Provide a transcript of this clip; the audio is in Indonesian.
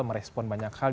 merespon banyak hal